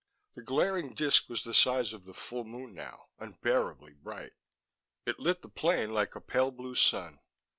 The glaring disc was the size of the full moon now, unbearably bright. It lit the plain like a pale blue sun.